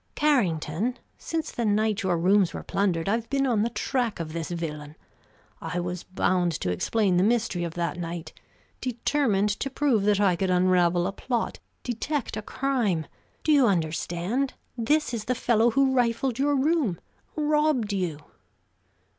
"Carrington, since the night your rooms were plundered I've been on the track of this villain. I was bound to explain the mystery of that night; determined to prove that I could unravel a plot, detect a crime! Do you understand? This is the fellow who rifled your room. Robbed you!"